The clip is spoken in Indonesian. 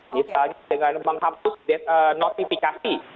misalnya dengan menghapus notifikasi